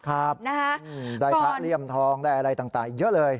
ครับได้พระเลี่ยมทองได้อะไรต่างอีกเยอะเลย